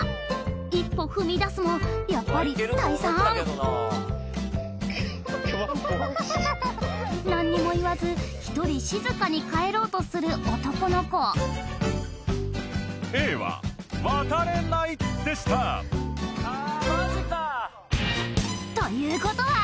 一歩踏み出すもやっぱり退散何にも言わず一人静かに帰ろうとする男の子Ａは渡れないでしたということは